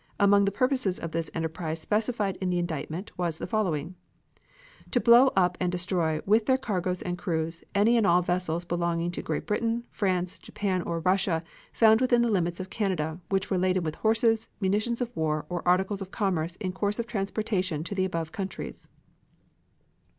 Among the purposes of this enterprise specified in the indictment was the following: "To blow up and destroy with their cargoes and crews any and all vessels belonging to Great Britain, France, Japan or Russia found within the limits of Canada, which were laden with horses, munitions of war, or articles of commerce in course of transportation to the above countries...."